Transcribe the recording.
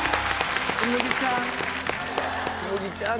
紬ちゃん。